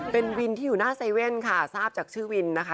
เป็นวินที่อยู่หน้าเซเว่นค่ะทราบจากชื่อวินนะคะ